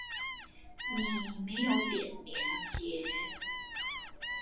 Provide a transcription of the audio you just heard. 你沒有點連結